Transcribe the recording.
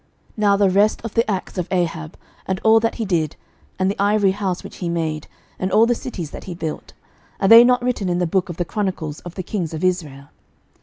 11:022:039 Now the rest of the acts of Ahab, and all that he did, and the ivory house which he made, and all the cities that he built, are they not written in the book of the chronicles of the kings of Israel?